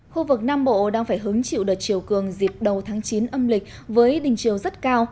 khu vực nam bộ đang phải hứng chịu đợt chiều cường dịp đầu tháng chín âm lịch với đình chiều rất cao